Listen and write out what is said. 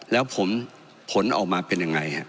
แล้วผลออกมาเป็นยังไงฮะ